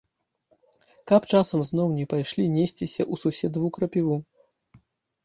Каб часам зноў не пайшлі несціся ў суседаву крапіву!